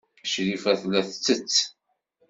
Crifa tella tettett.